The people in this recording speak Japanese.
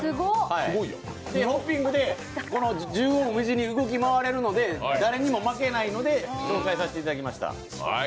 ホッピングで縦横無尽に動き回れるので誰にも負けないので紹介させていただきました。